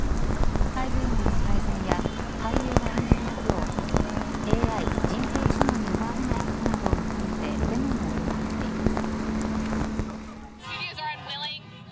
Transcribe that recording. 待遇面の改善や俳優が演じる役をＡＩ、人工知能に奪われないことなどを求めてデモも行われています。